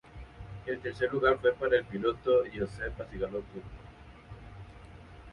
El tercer lugar fue para el piloto Giuseppe Bacigalupo.